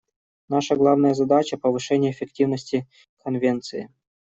Наша главная задача — повышение эффективности Конвенции.